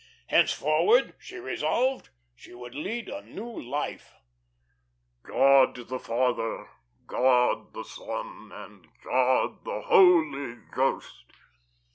Henceforward, she resolved, she would lead a new life. "God the Father, God the Son, and God the Holy Ghost